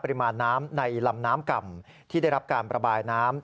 ปริมาณน้ำในลำน้ำก่ำที่ได้รับการระบายน้ำ